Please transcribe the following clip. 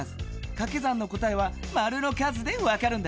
かけ算の答えはマルの数でわかるんだ。